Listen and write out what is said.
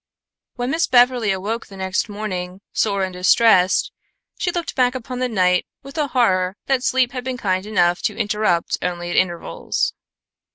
When Miss Beverly awoke the next morning, sore and distressed, she looked back upon the night with a horror that sleep had been kind enough to interrupt only at intervals.